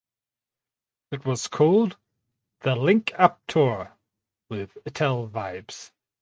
It was called "The Link Up Tour" with Ital Vibes.